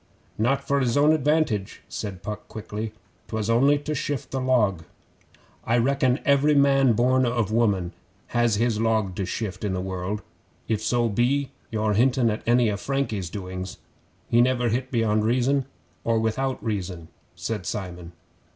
'Not for his own advantage,' said Puck quickly. ''Twas only to shift the log.' 'I reckon every man born of woman has his log to shift in the world if so be you're hintin' at any o' Frankie's doings. He never hit beyond reason or without reason,' said Simon.